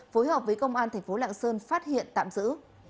phối hợp với công an tp lạng sơn phát hiện tạm giữ